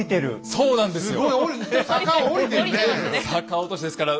そうなんですよ。